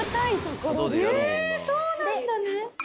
えそうなんだね。